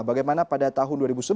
bagaimana pada tahun dua ribu sebelas